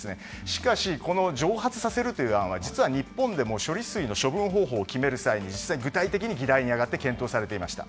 しかし、この蒸発させるという案は実は日本でも処理水の処分方法を決める際に実際に具体的に議題に挙がって検討されていました。